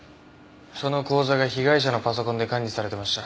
その口座が被害者のパソコンで管理されてました。